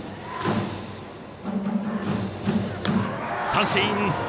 三振。